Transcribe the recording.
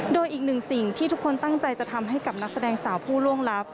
โดยอีกหนึ่งสิ่งที่ทุกคนตั้งใจจะทำให้กับนักแสดงสาวผู้ล่วงลับ